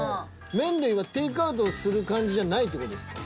麺類はテイクアウトする感じじゃないって事ですか？